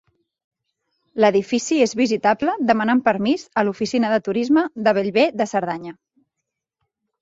L'edifici és visitable demanant permís a l'oficina de turisme de Bellver de Cerdanya.